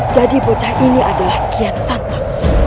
jadi bocah ini adalah kian santok